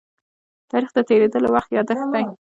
تاریخ د تېرېدلو وخت يادښت دی.